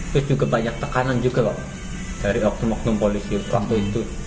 terus juga banyak tekanan juga kok dari oknum oknum polisi waktu itu